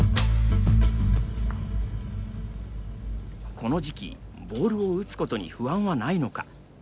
この時期ボールを打つことに不安はないのか。